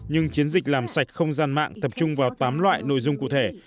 nhưng chiến dịch làm sạch không gian mạng tập trung vào tám loại nội dung cụ thể